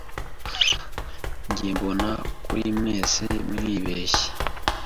Njye mbona kuri mwese mwibeshye.